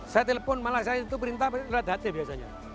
saya telepon malah saya itu perintah lewat datis biasanya